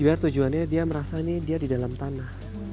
biar tujuannya dia merasa ini dia di dalam tanah